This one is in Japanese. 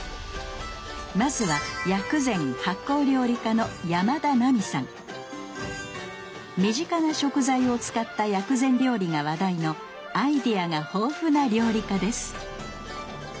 まずは身近な食材を使った薬膳料理が話題のアイデアが豊富な料理家です。